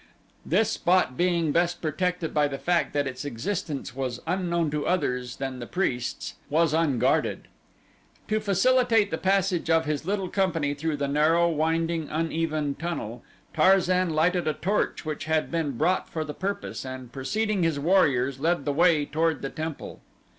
This spot being best protected by the fact that its existence was unknown to others than the priests, was unguarded. To facilitate the passage of his little company through the narrow winding, uneven tunnel, Tarzan lighted a torch which had been brought for the purpose and preceding his warriors led the way toward the temple.